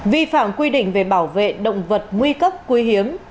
vi phạm quy định về bảo vệ động vật nguy cấp quý hiếm